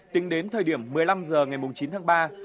tính đến thời điểm một mươi năm h ngày chín tháng ba